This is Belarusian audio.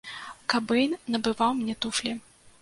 Кабэйн набываў мне туфлі.